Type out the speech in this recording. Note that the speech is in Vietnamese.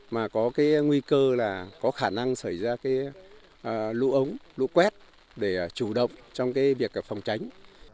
mà có cái nguy cơ là có khả năng xảy ra lũ ống lũ quét để chủ động trong việc phòng tránh